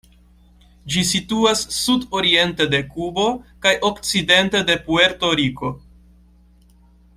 Ĝi situas sudoriente de Kubo kaj okcidente de Puerto-Riko.